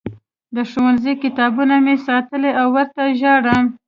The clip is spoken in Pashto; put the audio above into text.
د ښوونځي کتابونه مې ساتلي او ورته ژاړم